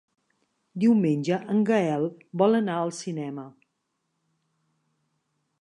Diumenge en Gaël vol anar al cinema.